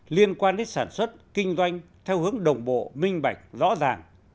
liên quan đến sản xuất kinh doanh theo hướng đồng bộ minh bạch rõ ràng